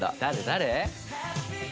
誰？